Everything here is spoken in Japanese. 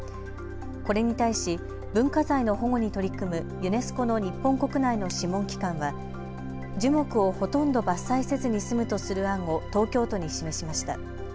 これに対し、文化財の保護に取り組むユネスコの日本国内の諮問機関は樹木をほとんど伐採せずに済むとする案を東京都に示しました。